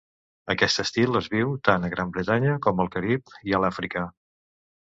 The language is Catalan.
Aquest estil és viu tant a Gran Bretanya com al Carib i a l'Àfrica.